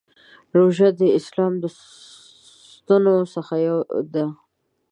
روژه د اسلام د ستنو څخه یوه ده.